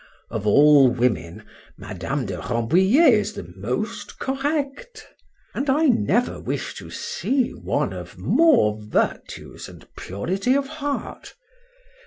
—Of all women, Madame de Rambouliet is the most correct; and I never wish to see one of more virtues and purity of heart.